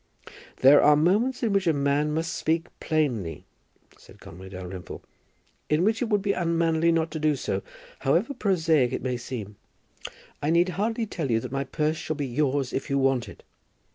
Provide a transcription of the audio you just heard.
"There are moments in which a man must speak plainly," said Conway Dalrymple; "in which it would be unmanly not to do so, however prosaic it may seem. I need hardly tell you that my purse shall be yours if you want it."